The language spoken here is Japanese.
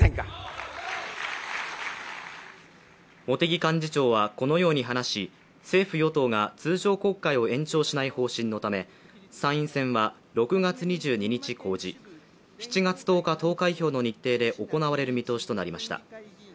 茂木幹事長は、このように話し政府・与党が通常国会を延長しない方針のため、参院選は６月２２日公示、７月１０日投開票の日程で行われる見通しとなりました。